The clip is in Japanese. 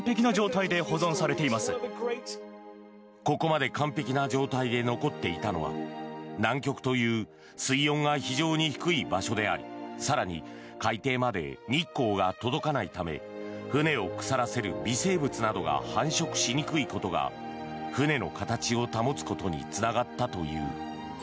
ここまで完璧な状態で残っていたのは南極という水温が非常に低い場所であり更に海底まで日光が届かないため船を腐らせる微生物などが繁殖しにくいことが船の形を保つことにつながったという。